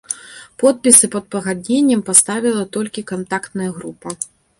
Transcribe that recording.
Подпісы пад пагадненнем паставіла толькі кантактная група.